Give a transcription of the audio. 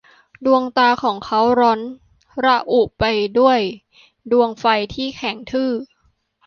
ดวงตาของเขาร้อนระอุไปด้วยดวงไฟที่แข็งทื่อ